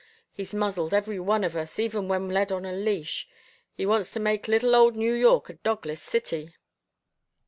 He's muzzled every one of us, even when led on a leash. He wants to make little old New York a dogless city."